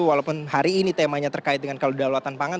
walaupun hari ini temanya terkait dengan kedaulatan pangan